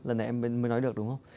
lần này em mới nói được đúng không